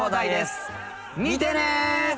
見てね！